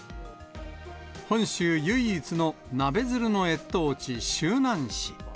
本州唯一のナベヅルの越冬地、周南市。